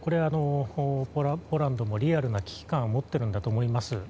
ポーランドもリアルな危機感は持っているんだと思います。